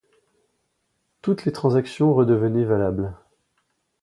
Toutes les transactions redevenaient valables.